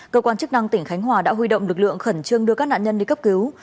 cơ quan chức năng tỉnh khánh hòa đã huy động lực lượng khẩn trương đưa các nạn nhân đi cấp cứu